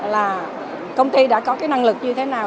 là công ty đã có cái năng lực như thế nào